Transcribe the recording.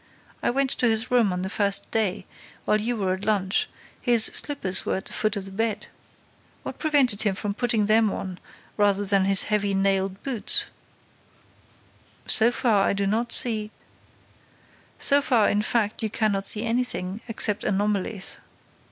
I went to his room on the first day, while you were at lunch: his slippers were at the foot of the bed. What prevented him from putting them on rather than his heavy nailed boots?" "So far, I do not see—" "So far, in fact, you cannot see anything, except anomalies.